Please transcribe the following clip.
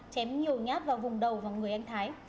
chém nhiều nhát vào vùng đầu và người anh thái